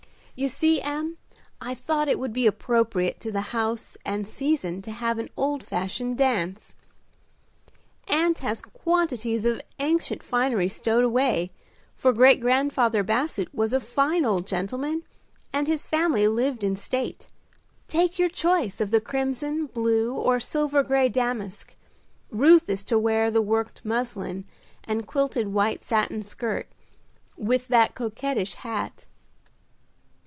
"You see, Em, I thought it would be appropriate to the house and season to have an old fashioned dance. Aunt has quantities of ancient finery stowed away, for great grandfather Basset was a fine old gentleman and his family lived in state. Take your choice of the crimson, blue or silver gray damask. Ruth is to wear the worked muslin and quilted white satin skirt, with that coquettish hat."